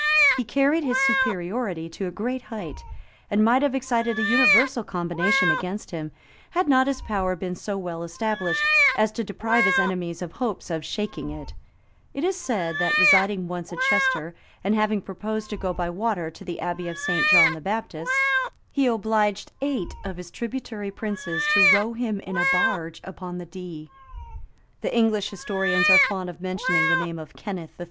He carried his superiority to a great height, and might have excited a universal combination against him, had not his power been so well established, as to deprive his enemies of hopes of shaking it It is said, that residing once at Chester, and having purposed to go by water to the abbey of St. John the Baptist, he obliged eight of his tributary princes to row him in a barge upon the Dee.[] The English historians are fond of mentioning the name of Kenneth III.